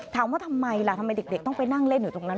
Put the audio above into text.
ถามว่าทำไมล่ะทำไมเด็กต้องไปนั่งเล่นอยู่ตรงนั้น